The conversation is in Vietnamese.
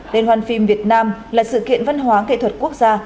liên hoan phim việt nam là sự kiện văn hóa nghệ thuật quốc gia